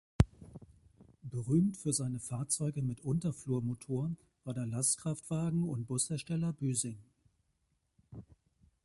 Berühmt für seine Fahrzeuge mit Unterflurmotor war der Lastkraftwagen- und Bushersteller Büssing.